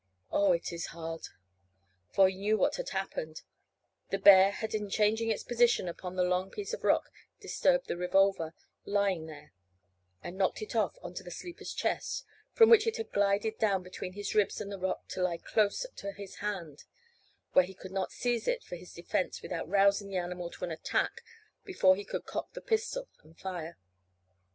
Oh, it is hard!" For he knew what had happened: the bear had in changing its position upon the long piece of rock disturbed the revolver lying there, and knocked it off on to the sleeper's chest, from which it had glided down between his ribs and the rock to lie close to his hand, where he could not seize it for his defence without rousing the animal to an attack before he could cock the pistol and fire.